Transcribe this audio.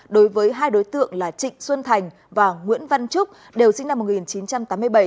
đối với hai đối tượng là trịnh xuân thành và nguyễn văn trúc đều sinh năm một nghìn chín trăm tám mươi bảy